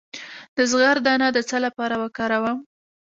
د زغر دانه د څه لپاره وکاروم؟